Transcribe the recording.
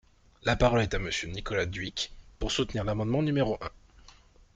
La parole est à Monsieur Nicolas Dhuicq, pour soutenir l’amendement numéro un.